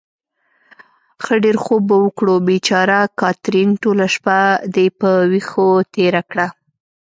ښه ډېر خوب به وکړو. بېچاره کاترین، ټوله شپه دې په وېښو تېره کړه.